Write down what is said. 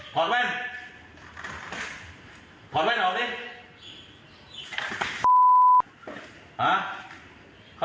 ก็ถามมาผมไม่ได้ดันใจค่ะ